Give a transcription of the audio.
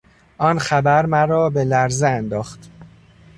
آن خبر مرا به لرزه انداخت.